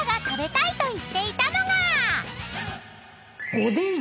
おでん！